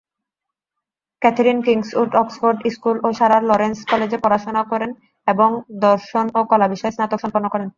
Catherine Kingswood Oxford school ও Sarah Lawrence কলেজে পড়াশোনা করেন এবং দর্শন ও কলা বিষয়ে স্নাতক সম্পন্ন করেন।